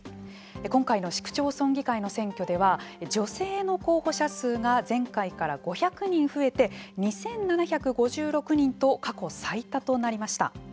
今回の市区町村議会の選挙では女性の候補者数が前回から５００人増えて２７５６人と過去最多となりました。